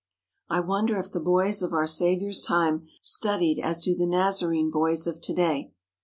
I wonder if the boys of our Saviour's time studied as do the Nazarene boys of to day.